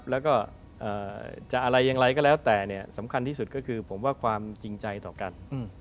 แล้วก็จะอะไรอย่างไรก็แล้วแต่สำคัญที่สุดก็คือผมว่าความจริงใจต่อกัน